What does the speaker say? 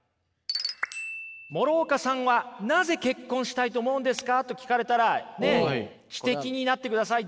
「諸岡さんはなぜ結婚したいと思うんですか？」と聞かれたらねっ詩的になってください。